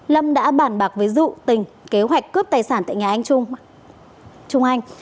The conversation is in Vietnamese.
lâm đã bản bạc với dụ tình kế hoạch cướp tài sản tại nhà anh trung anh